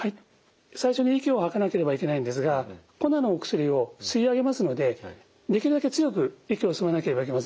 最初に息を吐かなければいけないんですが粉のお薬を吸い上げますのでできるだけ強く息を吸わなければいけません。